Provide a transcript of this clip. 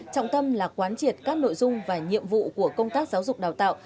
trọng tâm là quán triệt các nội dung và nhiệm vụ của công tác giáo dục đào tạo